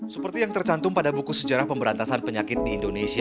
seperti yang tercantum pada buku sejarah pemberantasan penyakit di indonesia